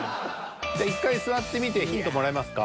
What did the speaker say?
じゃ１回座ってみてヒントもらいますか。